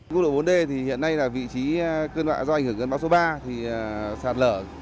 công độ bốn d thì hiện nay là vị trí cơn bạ do anh hưởng cơn báo số ba